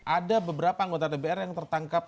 ada beberapa anggota dpr yang tertangkap